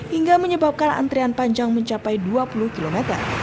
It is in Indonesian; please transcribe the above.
hingga menyebabkan antrian panjang mencapai dua puluh km